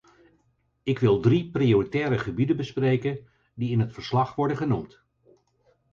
Ik wil drie prioritaire gebieden bespreken die in het verslag worden genoemd.